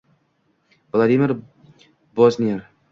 Vladimir Pozner: